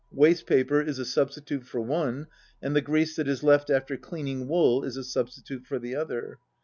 Waste paper is a substitute for one, and the grease that is left after cleaning wool is a substitute for the other.